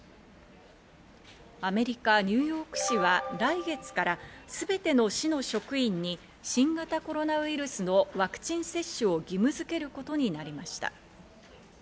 アメリカ・ニューヨーク市は来月から全ての市の職員に新型コロナウイルスのワクチン接種を義務づけることになりました。